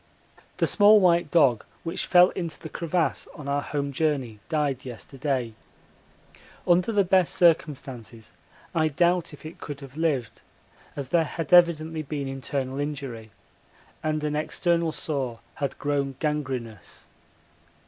The small white dog which fell into the crevasse on our home journey died yesterday. Under the best circumstances I doubt if it could have lived, as there had evidently been internal injury and an external sore had grown gangrenous.